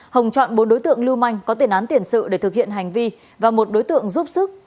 hồng chọn bốn đối tượng lưu manh có tiền án tiền sự để thực hiện hành vi và một đối tượng giúp sức